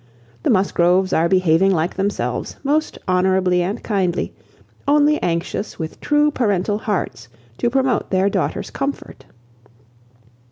The Musgroves are behaving like themselves, most honourably and kindly, only anxious with true parental hearts to promote their daughter's comfort.